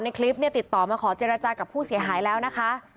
คลิปเนี่ยติดต่อมาขอเจรจากับผู้เสียหายแล้วนะคะ